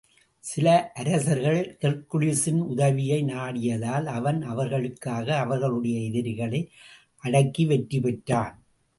சில அரசர்கள் ஹெர்க்குலிஸின் உதவியை நாடியதால், அவன் அவர்களுக்காக அவர்களுடைய எதிரிகளை அடக்கி வெற்றி பெற்றான்.